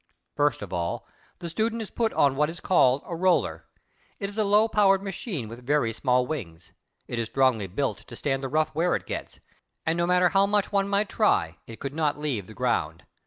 First of all, the student is put on what is called a roller. It is a low powered machine with very small wings. It is strongly built to stand the rough wear it gets, and no matter how much one might try it could not leave the ground.